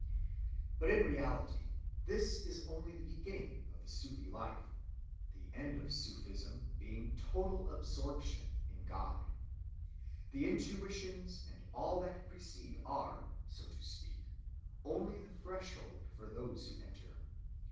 But in reality this is only the beginning of the Sufi life, the end of Sufism being total absorption in God. The intuitions and all that precede are, so to speak, only the threshold for those who enter.